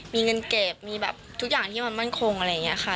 มีเงินเก็บมีแบบทุกอย่างที่มันมั่นคงอะไรอย่างนี้ค่ะ